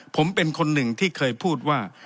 ผมเป็นคนหนึ่งที่เคยพูดว่า